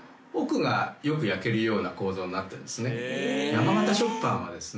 山形食パンはですね